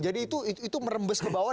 jadi itu merembes ke bawah